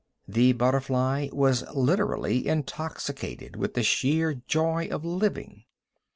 The butterfly was literally intoxicated with the sheer joy of living.